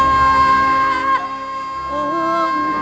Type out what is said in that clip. engkau ku hargai